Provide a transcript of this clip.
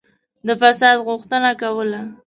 د فساد غوښتنه کوله.